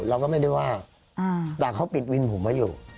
เราก็ไม่ได้ว่าแต่เขาปิดวินผมมาอยู่